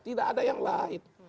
tidak ada yang lain